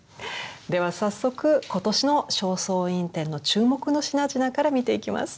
では早速今年の「正倉院展」の注目の品々から見ていきます。